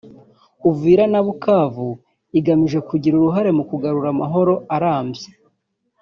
Uvira na Bukavu igamije kugira uruhare mu kagarura amahoro arambye